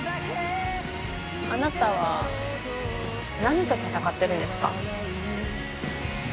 あなたは何と戦ってるんですか？